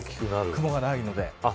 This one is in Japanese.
雲がないので。